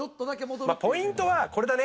ポイントはこれだね。